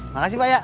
makasih pak ya